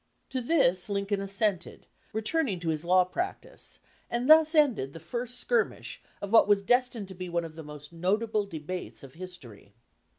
To this Lincoln as sented, returning to his law practice; and thus ended the first skirmish of what was destined to be one of the most notable debates of history.